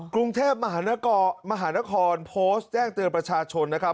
กรุงเทพมหานครมหานครโพสต์แจ้งเตือนประชาชนนะครับ